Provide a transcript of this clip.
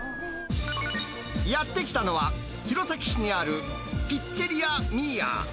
やって来たのは、弘前市にある、ピッツェリアミーア。